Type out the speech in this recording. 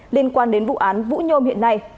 liên quan đến vụ án vũ nhôm hiện nay